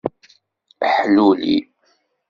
Ḥluli.